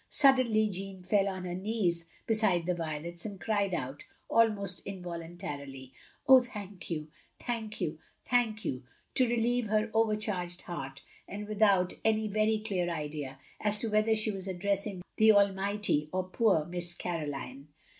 Suddenly Jeanne fell on her knees beside the violets, and cried out, almost involuntarily, " Oh, thank you, thank you, thank you" ; to relieve her overcharged heart, and without any very clear idea as to whether she were addressing the Almighty or poor Miss Caroline.